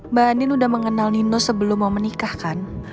mbak nin udah mengenal nino sebelum mau menikah kan